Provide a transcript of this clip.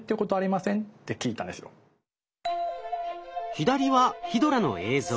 左はヒドラの映像。